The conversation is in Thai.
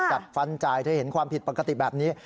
จัดฟันจ่ายเธอเห็นความผิดปกติแบบนี้